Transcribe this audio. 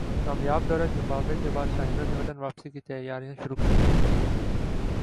کامیاب دورہ زمبابوے کے بعد شاہینوں نے وطن واپسی کی تیاریاں شروع کردیں